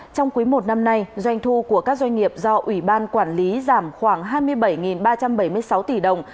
trong quý i năm nay doanh thu của các doanh nghiệp do ủy ban quản lý giảm khoảng hai mươi bảy ba trăm bảy mươi sáu tỷ đồng